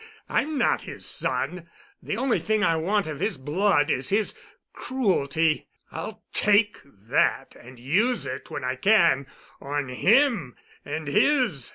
I'm not his son. The only thing I want of his blood is his cruelty. I'll take that and use it when I can—on him and his."